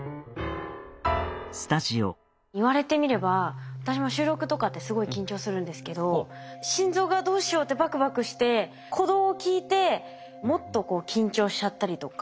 言われてみれば私も収録とかってすごい緊張するんですけど心臓がどうしようってバクバクして鼓動を聞いてもっと緊張しちゃったりとか。